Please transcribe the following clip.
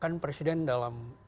kan presiden dalam